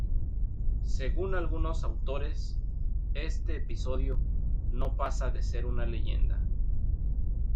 Según algunos autores, este episodio no pasa de ser una leyenda.